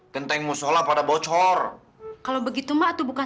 kenteng mushollah pada bocor kalau begitu mbak tuh bukan